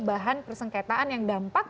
bahan persengketaan yang dampak